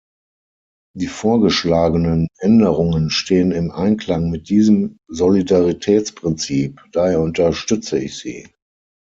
Die vorgeschlagenen Änderungen stehen im Einklang mit diesem Solidaritätsprinzip, daher unterstütze ich sie.